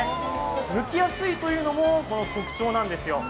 むきやすいというのも特徴なんですよ。